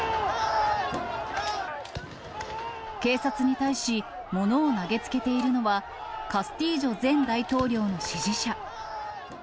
警察に対し、物を投げつけているのは、カスティージョ前大統領の支持者。